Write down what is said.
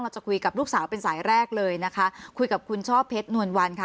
จะคุยกับลูกสาวเป็นสายแรกเลยนะคะคุยกับคุณช่อเพชรนวลวันค่ะ